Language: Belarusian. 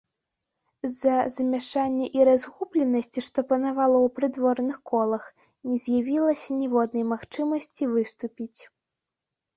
З-за замяшання і разгубленасці, што панавала ў прыдворных колах, не з'явілася ніводнай магчымасці выступіць.